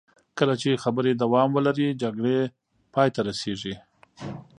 کله چې خبرې دوام ولري، جګړې پای ته رسېږي.